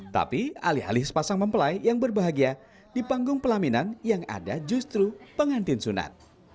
tapi alih alih sepasang mempelai yang berbahagia di panggung pelaminan yang ada justru pengantin sunat